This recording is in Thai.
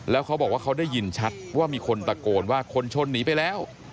แล้วเขาบอกว่าเขาได้ยินชัดว่ามีคนตะโกนว่าคนชนหนีไปแล้ว